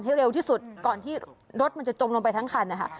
เร็วที่สุดก่อนที่รถมันจะจมลงไปทั้งคันนะคะ